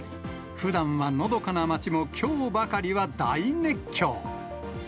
ふだんはのどかな町も、きょうばかりは大熱狂。